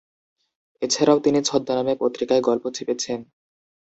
এছাড়াও তিনি ছদ্মনামে পত্রিকায় গল্প ছেপেছেন।